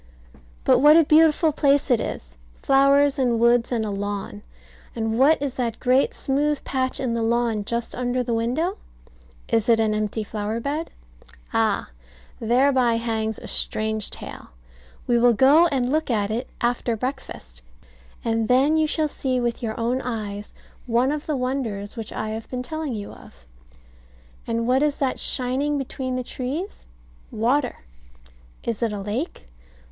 But what a beautiful place it is! Flowers and woods and a lawn; and what is that great smooth patch in the lawn just under the window? Is it an empty flower bed? Ah, thereby hangs a strange tale. We will go and look at it after breakfast, and then you shall see with your own eyes one of the wonders which I have been telling you of. And what is that shining between the trees? Water. Is it a lake?